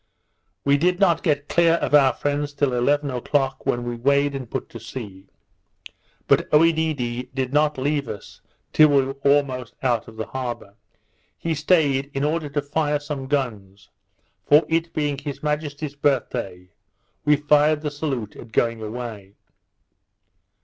We did not get clear of our friends till eleven o'clock, when we weighed, and put to sea; but Oedidee did not leave us till we were almost out of the harbour. He staid, in order to fire some guns; for it being his majesty's birthday, we fired the salute at going away.